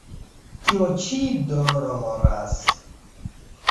Tio ĉi doloras!